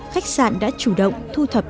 khách sạn đã chủ động thu thập